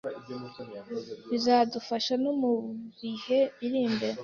bikazadufasha no mu bihe biri imbere.